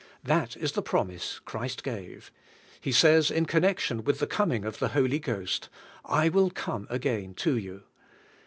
That is the promise Christ gave. He says, in connection with the coming of the Holy Ghost: "I will come again to you."